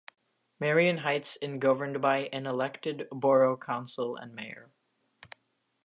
Marion Heights in governed by an elected borough council and mayor.